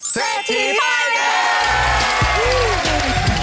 เซธีป้าย